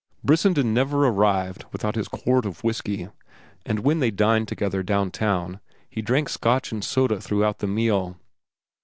Brissenden never arrived without his quart of whiskey, and when they dined together down town, he drank Scotch and soda throughout the meal.